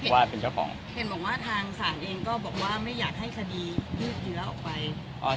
ว่าเป็นเจ้าของเห็นบอกว่าทางศาลเองก็บอกว่าไม่อยากให้คดียืดเยื้อออกไปอ่า